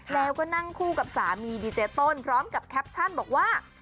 แล้วก็นั่งคู่กับสามีดีเจต้นพร้อมกับแคปชั่นบอกว่า